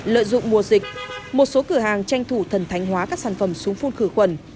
lợi dụng mùa dịch một số cửa hàng tranh thủ thần thánh hóa các sản phẩm súng phun khử khuẩn